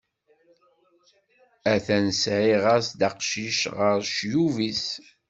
Atan sɛiɣ-as-d aqcic, ɣer ccyub-is!